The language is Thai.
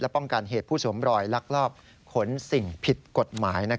และป้องกันเหตุผู้สมรอยรักรอบค้นศิลปิตภิกษ์กฏหมาย